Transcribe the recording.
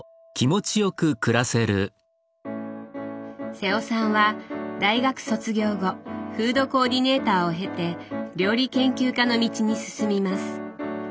瀬尾さんは大学卒業後フードコーディネーターを経て料理研究家の道に進みます。